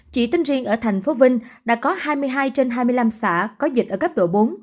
chỉ tính riêng ở thành phố vinh đã có hai mươi hai trên hai mươi năm xã có dịch ở cấp độ bốn